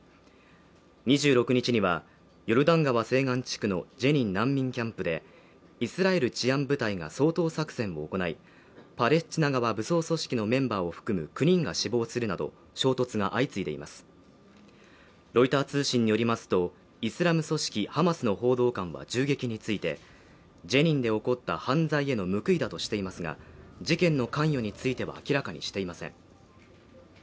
２６日にはヨルダン川西岸地区のジェニン難民キャンプでイスラエル治安部隊が掃討作戦を行いパレスチナ側武装組織のメンバーを含む９人が死亡するなど衝突が相次いでいますロイター通信によりますとイスラム組織ハマスの報道官は銃撃についてジェニンで起こった犯罪への報いだとしていますが事件の関与については明らかにしていません